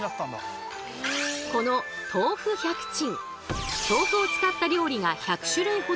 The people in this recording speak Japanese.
この「豆腐百珍」。